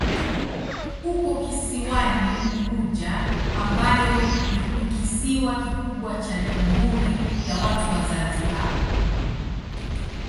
Uko kisiwani Unguja ambayo ni kisiwa kikubwa cha Jamhuri ya Watu wa Zanzibar.